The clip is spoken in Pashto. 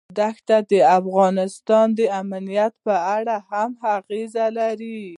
دښتې د افغانستان د امنیت په اړه هم اغېز لري.